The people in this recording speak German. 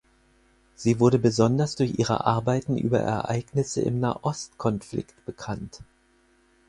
Sie wurde besonders durch ihre Arbeiten über Ereignisse im Nahostkonflikt bekannt.